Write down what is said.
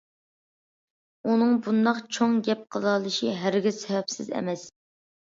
ئۇنىڭ بۇنداق‹‹ چوڭ گەپ›› قىلالىشى ھەرگىز سەۋەبسىز ئەمەس.